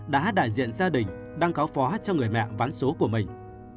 đã đại diện gia đình đang cáo phó cho người mẹ ván số của mình